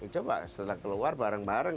coba setelah keluar bareng bareng